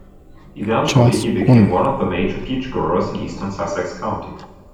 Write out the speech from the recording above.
Eventually he became one of the major peach growers in eastern Sussex County.